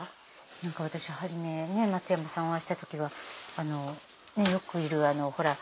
何か私初め松山さんお会いした時はよくいる。